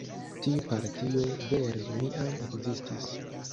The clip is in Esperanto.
Tiu partio vere neniam ekzistis.